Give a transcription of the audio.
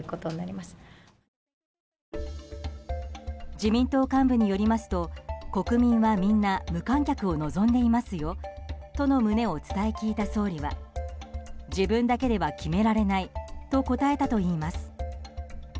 自民党幹部によりますと国民はみんな無観客を望んでいますよとの旨を伝え聞いた総理は自分だけでは決められないと答えたといいます。